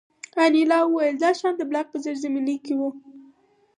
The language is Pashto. انیلا وویل دا شیان د بلاک په زیرزمینۍ کې وو